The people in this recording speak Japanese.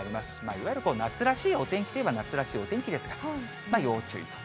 いわゆる夏らしいお天気といえば夏らしいお天気ですから、まあ要注意と。